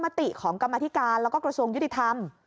ติของกรรมธิการแล้วก็กระทรวงยุติธรรม